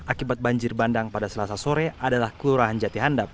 akibat banjir bandang pada selasa sore adalah kelurahan jati handap